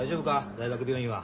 大学病院は。